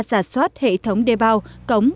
giả soát hệ thống đê bao cống